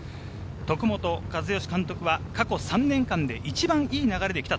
徳本一善監督は過去３年間で一番いい流れできた。